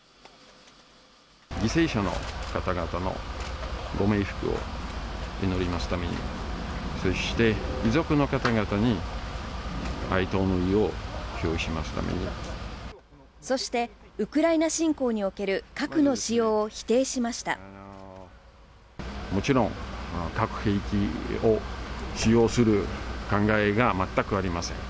犠牲者の方々のご冥福を祈りますために、そして、遺族の方々に、そして、ウクライナ侵攻におもちろん、核兵器を使用する考えが全くありません。